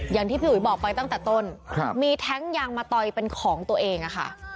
อย่างที่พี่อุ๋ยบอกไปตั้งแต่ต้นมีแท้งยางมะตอยเป็นของตัวเองอะค่ะ